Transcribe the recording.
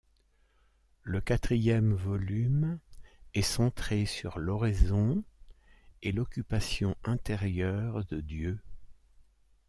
Le quatrième volume est centré sur l'oraison et l'occupation intérieure de Dieu.